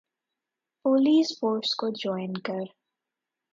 police force کو join کر